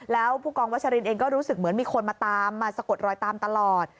แล้วผู้กองวัชรินเองก็รู้สึกเหมือนมีคนมาตามมาสะกดรอยตามตลอด